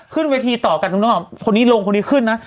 ขึ้นเวทีต่อกันตรงนู้นคนนี้ลงคนนี้ขึ้นนะ